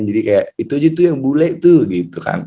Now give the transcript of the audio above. jadi kayak itu aja tuh yang boleh tuh gitu kan